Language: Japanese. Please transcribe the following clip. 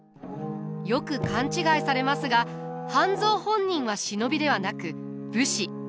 よく勘違いされますが半蔵本人は忍びではなく武士。